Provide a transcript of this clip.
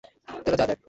চল যাওয়া যাক।